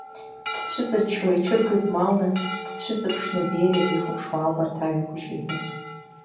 Дцәыҵаччо, иҽыргызмалны, дцәыҵыԥшны Бериа дихәаԥшуа ауп арҭ ажәақәа шиҳәаз.